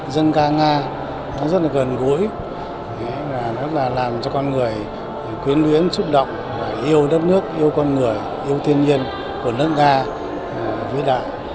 dân ca nga rất là gần gũi rất là làm cho con người quyến luyến xúc động yêu đất nước yêu con người yêu thiên nhiên của nước nga vĩ đại